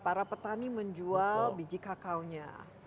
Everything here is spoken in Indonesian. para petani menjual biji kakaonya